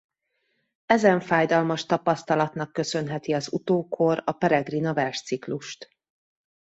Ezen fájdalmas tapasztalatnak köszönheti az utókor a Peregrina-versciklust.